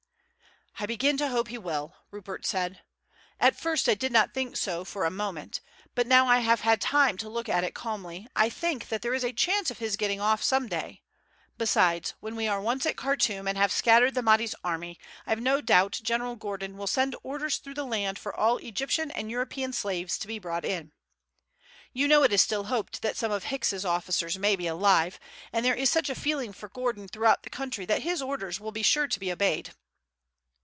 "I begin to hope he will," Rupert said. "At first I did not think so for a moment; but now I have had time to look at it calmly I think that there is a chance of his getting off some day; besides, when we are once at Khartoum and have scattered the Mahdi's army, I have no doubt General Gordon will send orders through the land for all Egyptian and European slaves to be brought in. You know it is still hoped that some of Hicks' officers may be alive, and there is such a feeling for Gordon throughout the country that his orders will be sure to be obeyed."